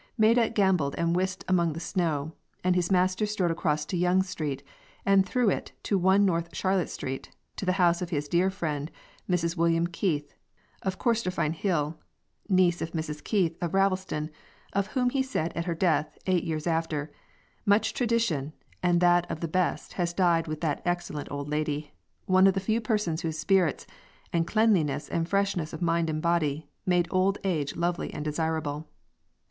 Maida gamboled and whisked among the snow, and his master strode across to Young Street, and through it to 1 North Charlotte Street, to the house of his dear friend, Mrs. William Keith, of Corstorphine Hill; niece of Mrs. Keith of Ravelston, of whom he said at her death, eight years after, "Much tradition, and that of the best, has died with this excellent old lady, one of the few persons whose spirits, and cleanliness and freshness of mind and body, made old age lovely and desirable."